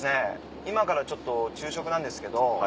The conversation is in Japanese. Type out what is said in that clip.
今からちょっと昼食なんですけど